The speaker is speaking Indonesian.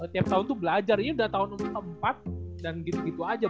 tiap tahun tuh belajar ini udah tahun empat dan gitu gitu aja